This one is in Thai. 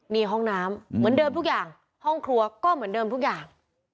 นี่ห้องน้ำเหมือนเดิมทุกอย่างห้องครัวก็เหมือนเดิมทุกอย่าง